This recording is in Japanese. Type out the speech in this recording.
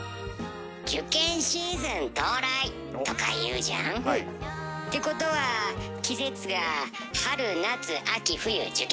「受験シーズン到来！」とか言うじゃん？ってことは季節が春夏秋冬受験！